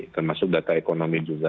termasuk data ekonomi juga